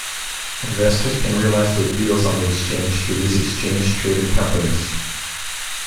Investors can realize their deals on the exchange through these exchange-trading companies.